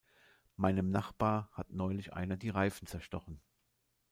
Meinem Nachbar hat neulich einer die Reifen zerstochen.